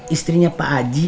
istrinya pak aji